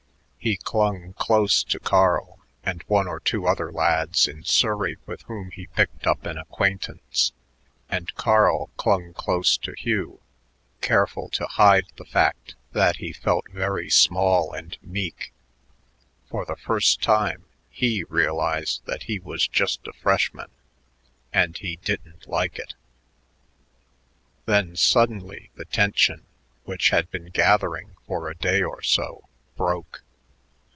He clung close to Carl and one or two other lads in Surrey with whom he picked up an acquaintance, and Carl clung close to Hugh, careful to hide the fact that he felt very small and meek. For the first time he realized that he was just a freshman and he didn't like it. Then suddenly the tension, which had been gathering for a day or so, broke.